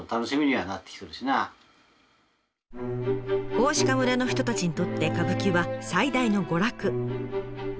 大鹿村の人たちにとって歌舞伎は最大の娯楽。